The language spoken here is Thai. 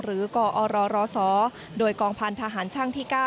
หรือก่ออรรสโดยกองพันธหารชั่งที่๙